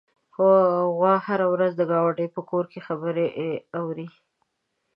غوا هره ورځ د ګاونډي په کور کې خبرې اوري.